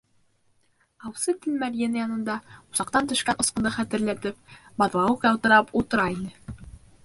Аусы Тәлмәрйен янында, усаҡтан төшкән осҡондо хәтерләтеп, Баҙлауыҡ ялтырап ултыра ине.